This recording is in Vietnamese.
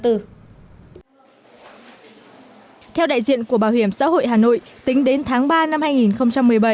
theo đại diện của bảo hiểm xã hội hà nội tính đến tháng ba năm hai nghìn một mươi bảy